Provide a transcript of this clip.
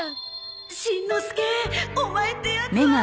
しんのすけオマエってやつは！